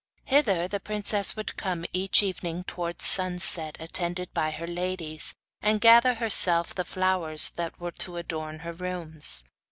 Hither the princess would come each evening towards sunset, attended by her ladies, and gather herself the flowers that were to adorn her rooms.